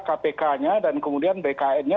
kpk nya dan kemudian bkn nya